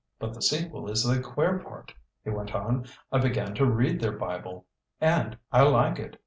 "But the sequel is the queer part," he went on. "I began to read their Bible, and I like it.